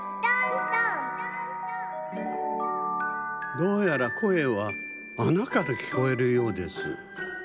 どうやらこえはあなからきこえるようです。